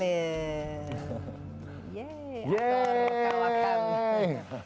iya kembali bersama insight